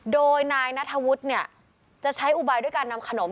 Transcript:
โดยนายนัทธวุฒิเนี่ยจะใช้อุบายด้วยการนำขนม